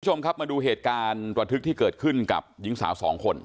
คุณผู้ชมครับมาดูเหตุการณ์ระทึกที่เกิดขึ้นกับหญิงสาวสองคน